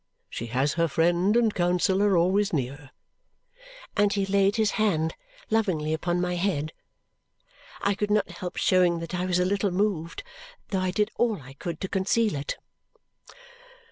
She has her friend and counsellor always near." And he laid his hand lovingly upon my head. I could not help showing that I was a little moved, though I did all I could to conceal it.